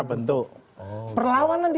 bentuk perlawanan di